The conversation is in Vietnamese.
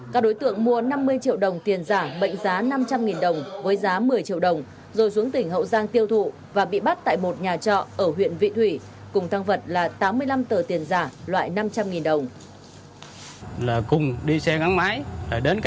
các đối tượng mua năm mươi triệu đồng tiền giả mệnh giá năm trăm linh đồng với giá một mươi triệu đồng rồi xuống tỉnh hậu giang tiêu thụ và bị bắt tại một nhà trọ ở huyện vị thủy cùng tăng vật là tám mươi năm tờ tiền giả loại năm trăm linh đồng